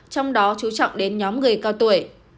trong đó chú trọng đến nhóm người cao tuổi